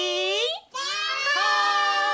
はい！